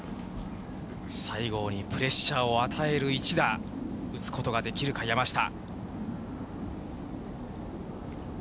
西郷にプレッシャーを与える一打、打つことができるか、山下。